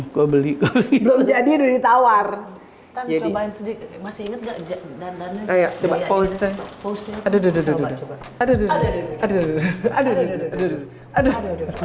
ditawar jadi main sedikit masih inget nggak dan ayo coba pose pose aduh aduh aduh aduh aduh aduh